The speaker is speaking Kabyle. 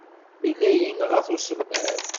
Yella yenɣa-t usemmiḍ.